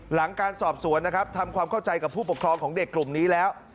หลังการสอบสวนนะครับทำความเข้าใจกับผู้ปกครองของเด็กกลุ่มนี้แล้ว